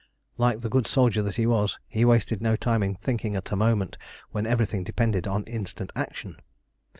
Like the good soldier that he was, he wasted no time in thinking at a moment when everything depended on instant action.